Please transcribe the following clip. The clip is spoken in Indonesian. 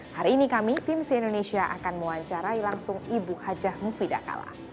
hari ini kami tim si indonesia akan mewawancarai langsung ibu hajah mufidah kala